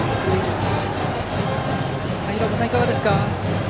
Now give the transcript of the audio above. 廣岡さん、いかがですか。